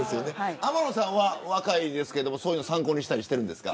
天野さんは若いですけどそういうのを参考にしたりしてるんですか。